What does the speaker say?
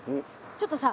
ちょっとさ